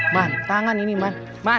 man tangan ini man